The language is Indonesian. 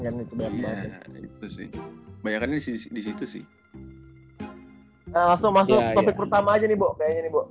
ya itu sih kebitanya disitu si masuk masuk pertama aja nih bu sebetulnya